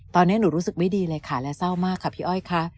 ตอนนี้หนูรู้สึกไม่ดีเลยค่ะและเศร้ามากค่ะพี่อ้อยค่ะ